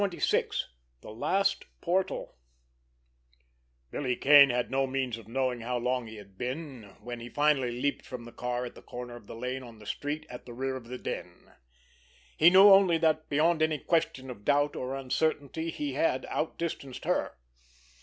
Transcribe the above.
XXVI—THE LAST PORTAL Billy Kane had no means of knowing how long he had been, when he finally leaped from the car at the corner of the lane on the street at the rear of the den. He knew only that, beyond any question of doubt or uncertainty, he had outdistanced her.